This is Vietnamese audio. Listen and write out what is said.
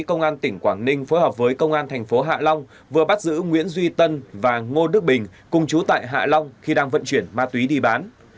công an tỉnh quảng ninh phối hợp với công an thành phố hạ long vừa bắt giữ nguyễn duy tân và ngô đức bình cùng chú tại hạ long khi đang vận chuyển ma túy đi bán